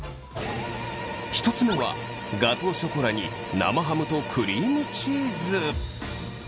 １つ目はガトーショコラに生ハムとクリームチーズ。